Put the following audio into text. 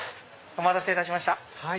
お待たせいたしました。